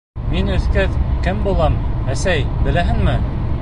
— Мин үҫкәс кем булам, әсәй, беләһеңме?